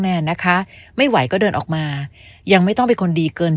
แนนนะคะไม่ไหวก็เดินออกมายังไม่ต้องเป็นคนดีเกิน